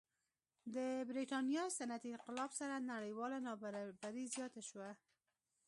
د برېټانیا صنعتي انقلاب سره نړیواله نابرابري زیاته شوه.